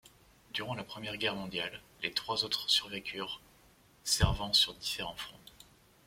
Durant la première guerre mondiale, les trois autres survécurent, servant sur différents fronts.